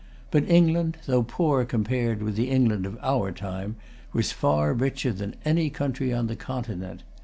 But England, though poor compared with the England of our time, was far richer than any country on the Continent.